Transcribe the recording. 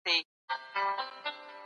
فزيکي ځواک د دولت انحصار دی.